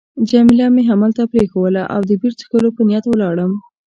جميله مې همدلته پرېښووله او د بیر څښلو په نیت ولاړم.